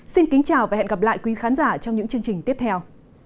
xin kính chào và hẹn gặp lại quý khán giả trong những chương trình tiếp theo